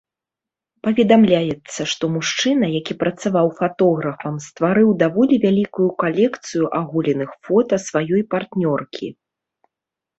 Паведамляецца, што мужчына, які працаваў фатографам, стварыў даволі вялікую калекцыю аголеных фота сваёй партнёркі.